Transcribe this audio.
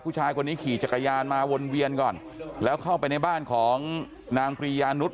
ผู้ชายคนนี้ขี่จักรยานมาวนเวียนก่อนแล้วเข้าไปในบ้านของนางปรียานุษย